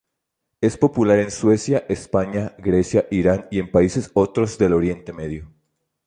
Es popular en Suecia, España, Grecia, Irán, y en países otros del Oriente Medio.